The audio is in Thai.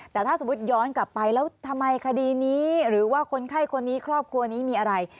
แต่ถ้าสมมุติย้อนกลับไปแล้วทำไมคดีนี้หรือว่าคนไข้คนนี้ครอบครัวนี้มีอะไร